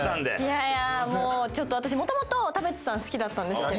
いやいやもうちょっと私元々田渕さん好きだったんですけど。